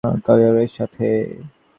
তো কেমন সময় কাটল মিসেস ক্যালোওয়ে এর সাথে?